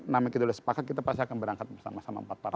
nama kita sudah sepakat kita pasti akan berangkat bersama sama empat partai